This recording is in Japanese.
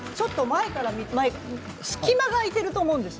隙間が空いていると思うんです。